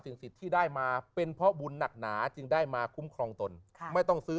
สิทธิ์ที่ได้มาเป็นเพราะบุญหนักหนาจึงได้มาคุ้มครองตนไม่ต้องซื้อ